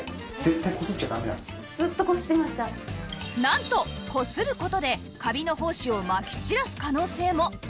なんとこする事でカビの胞子をまき散らす可能性も